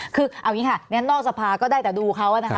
คือเอาอย่างนี้ค่ะนอกสภาก็ได้แต่ดูเขานะคะ